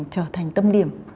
trở thành tâm điểm